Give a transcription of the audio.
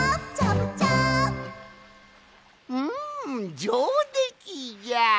うんじょうできじゃ！